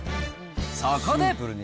そこで。